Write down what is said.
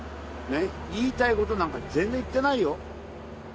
言いたいことなんか全然言ってないよ。